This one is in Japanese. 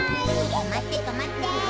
とまってとまって！